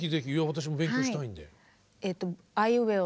私も勉強したいんで。